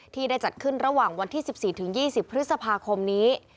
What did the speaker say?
ที่ได้จัดขึ้นระหว่างวันที่๑๔๒๐พฤษภาคมนี้